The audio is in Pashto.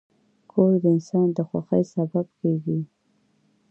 کور د انسان د خوښۍ سبب دی.